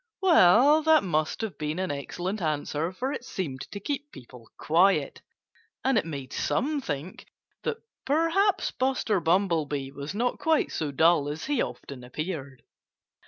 Well, that must have been an excellent answer, for it seemed to keep people quiet. And it made some think that perhaps Buster Bumblebee was not quite so dull as he often appeared.